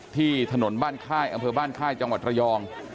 ที่ถนนบ้านค่ายอำเภอบ้านค่ายจังหวัดระยอง